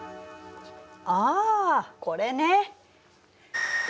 ああこれね。